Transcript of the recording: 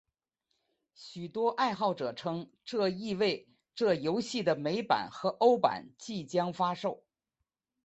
许多爱好者称这意味这游戏的美版和欧版即将发售。